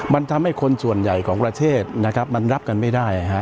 มันทำให้คนส่วนใหญ่ของประเทศนะครับมันรับกันไม่ได้